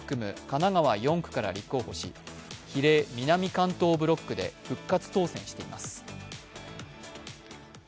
神奈川４区から立候補し、比例南関東ブロックで復活当選しています。